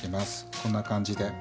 こんな感じで。